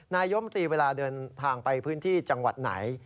นายมตรีเวลาเดินทางไปพื้นที่จังหวัดไหน